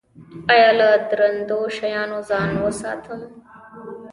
ایا له درندو شیانو ځان وساتم؟